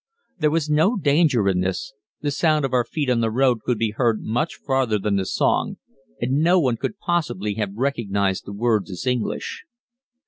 There was no danger in this the sound of our feet on the road could be heard much farther than the song, and no one could possibly have recognized the words as English.